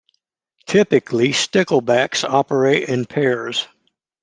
Typically, sticklebacks operate in pairs.